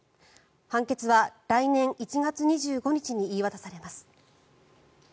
判決は来年１月２５日に言い渡されます。